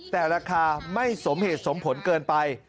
แต่ราคาไม่สมเหตุสมผลเกินไป